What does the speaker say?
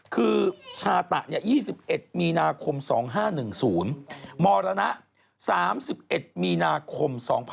คือชาตะ๒๑มีนาคม๒๕๑๐มรณะ๓๑มีนาคม๒๕๖๒